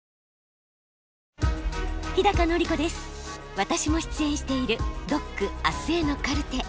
私も出演している「ＤＯＣあすへのカルテ」。